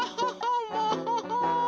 もう。